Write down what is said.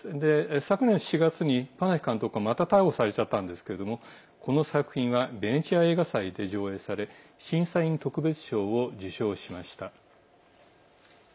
昨年７月にパナヒ監督はまた逮捕されちゃったんですけどもこの作品はベネチア映画祭で上映され、審査員特別賞を受賞しました。